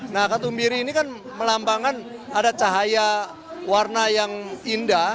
nah katumbiri ini kan melambangkan ada cahaya warna yang indah